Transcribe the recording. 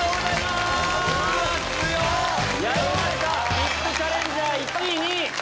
ＶＩＰチャレンジャー１位２位。